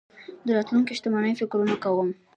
د راتلونکې شتمنۍ فکرونه کوم.